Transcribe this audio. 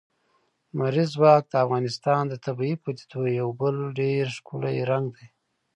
لمریز ځواک د افغانستان د طبیعي پدیدو یو بل ډېر ښکلی رنګ دی.